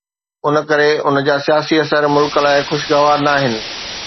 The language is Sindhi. ان ڪري ان جا سياسي اثر ملڪ لاءِ خوشگوار ناهن.